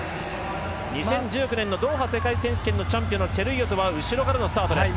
２０１９年のドーハ世界選手権のチャンピオンのチェルイヨトは後ろからのスタートです。